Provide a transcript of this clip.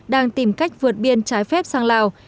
đang tìm cách vượt biên trái phép sang lào